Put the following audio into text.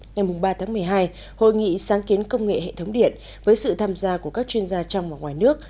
ngày ba tháng một mươi hai hội nghị sáng kiến công nghệ hệ thống điện với sự tham gia của các chuyên gia trong và ngoài nước